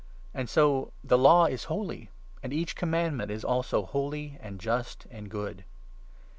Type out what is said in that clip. And so the Law is holy, and 12 each Commandment is also holy, and just, and good.